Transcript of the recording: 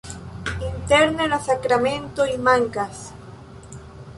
Interne la sakramentoj mankas.